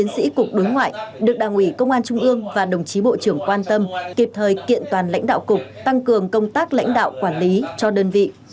một mươi sĩ cục đối ngoại được đảng ủy công an trung ương và đồng chí bộ trưởng quan tâm kịp thời kiện toàn lãnh đạo cục tăng cường công tác lãnh đạo quản lý cho đơn vị